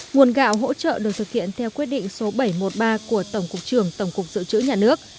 nguồn gạo hỗ trợ được thực hiện theo quyết định số bảy trăm một mươi ba của tổng cục trưởng tổng cục dự trữ nhà nước